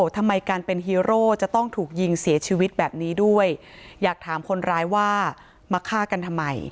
ทำไมการเป็นฮีโร่จะต้องถูกยิงเสียชีวิตแบบนี้ด้วยอยากถามคนร้ายว่ามาฆ่ากันทำไม